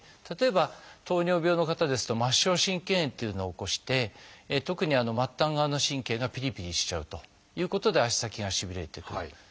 例えば糖尿病の方ですと末梢神経炎というのを起こして特に末端側の神経がピリピリしちゃうということで足先がしびれてくる。